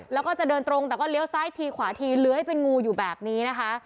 แล้วก็จะเดินตรงแต่ก็เลี้ยวซ้ายทีขวาทีเลื้อยเป็นงูอยู่แบบนี้นะคะ